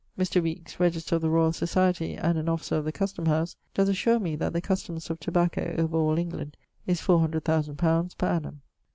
Mr. Weekes, register of the Royal Society and an officer of the custome house, does assure me that the customes of tobacco over all England is four hundred thousand pounds per annum.